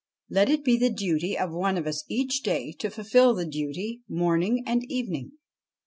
Let it be the duty of one of us each day to fulfil the duty, morning and evening.'